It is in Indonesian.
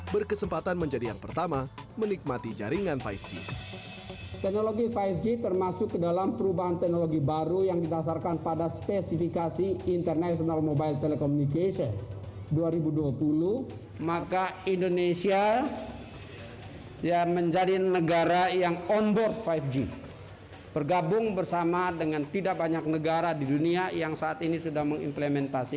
berkesempatan untuk menghadirkan keterangan layak operasi layanan operasi